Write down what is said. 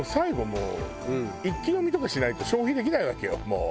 もう一気飲みとかしないと消費できないわけよもう。